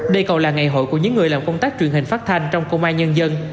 đây còn là ngày hội của những người làm công tác truyền hình phát thanh trong công an nhân dân